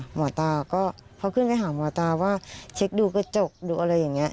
หมอตาก็พอขึ้นไปหาหมอตาว่าเช็คดูกระจกดูอะไรอย่างนี้